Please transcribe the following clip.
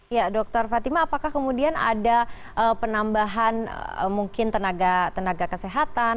ya dokter fatima apakah kemudian ada penambahan mungkin tenaga kesehatan